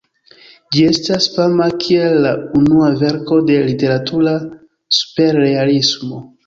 Ĝi estas fama kiel la unua verko de literatura Superrealismo.